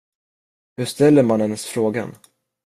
Hur ställer man ens frågan?